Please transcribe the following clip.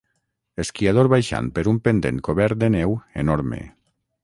Esquiador baixant per un pendent cobert de neu enorme.